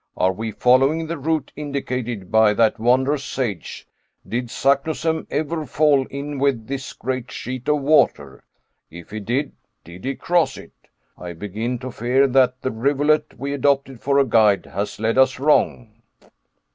Are we following the route indicated by that wondrous sage? Did Saknussemm ever fall in with this great sheet of water? If he did, did he cross it? I begin to fear that the rivulet we adopted for a guide has led us wrong."